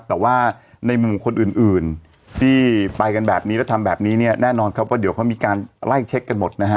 แต่ว่าในมุมคนอื่นอื่นที่ไปกันแบบนี้แล้วทำแบบนี้เนี่ยแน่นอนครับว่าเดี๋ยวเขามีการไล่เช็คกันหมดนะฮะ